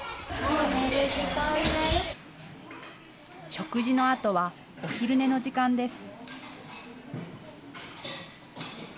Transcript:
食事のあとは、お昼寝の時間です。